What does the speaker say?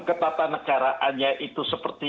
ketatanegaraannya itu seperti